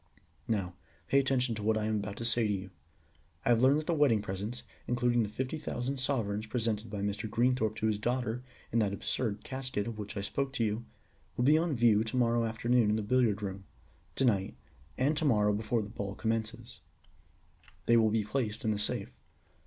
Now pay attention to what I am about to say to you. I have learned that the wedding presents, including the fifty thousand sovereigns presented by Mr. Greenthorpe to his daughter in that absurd casket, of which I spoke to you, will be on view to morrow afternoon in the billiard room; to night, and to morrow before the ball commences, they will be placed in the safe.